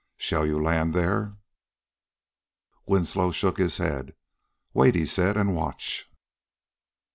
Shall you land there?" Winslow shook his head. "Wait," he said, "and watch."